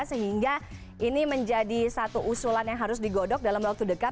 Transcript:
sehingga ini menjadi satu usulan yang harus digodok dalam waktu dekat